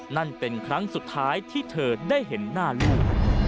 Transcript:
นั่นเป็นครั้งสุดท้ายที่เธอได้เห็นหน้าลูก